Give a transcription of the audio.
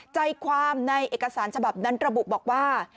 ใจความในเอกสารฉบับนั้นระบุบอกว่า